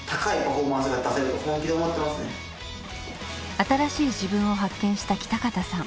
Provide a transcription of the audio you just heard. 新しい自分を発見した北方さん。